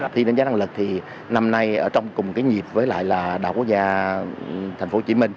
thì đánh giá năng lực thì năm nay ở trong cùng cái nhịp với lại là đảo quốc gia tp hcm